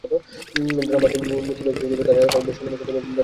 জনাব হাকিম মুদি ব্যবসায়ী হিসেবে তাঁর এলাকায় বেশ সুনামের সাথে ব্যবসায় করে যাচ্ছেন।